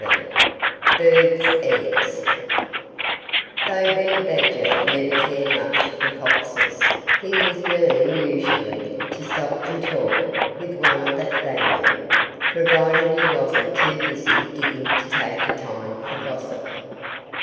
XI BIRDS' EGGS Though Benny Badger never cared much for foxes, he was willing, usually, to stop and talk with one of that family provided he wasn't too busy digging to take the time for gossip.